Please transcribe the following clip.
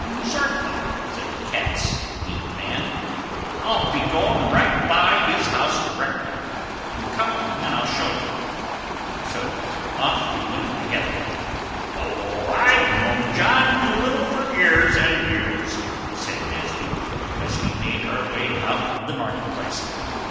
"Certainly," said the cat's meat man. "I'll be going right by his house directly. Come along and I'll show you." So off we went together. "Oh, I've known John Dolittle for years and years," said Matthew as we made our way out of the market place.